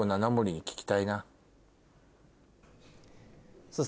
に聞きたいな。